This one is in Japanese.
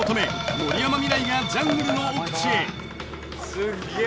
森山未來がジャングルの奥地へすっげえ！